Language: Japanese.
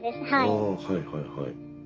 ああはいはいはい。